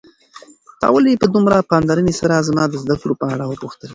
تا ولې په دومره پاملرنې سره زما د زده کړو په اړه وپوښتل؟